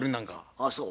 ああそう？